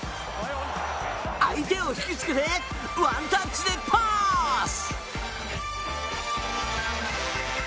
相手を引き付けてワンタッチでパス！